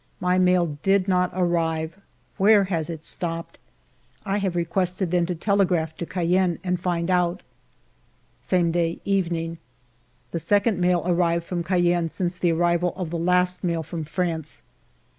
My mail did not arrive. Where has it stopped } I have requested them to telegraph to Cayenne and find out. Same day, evening. The second mail received from Cayenne since the arrival of the last mail from France.